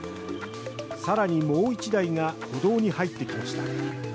更にもう一台が歩道に入ってきました。